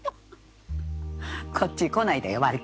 こっち来ないだよ割と。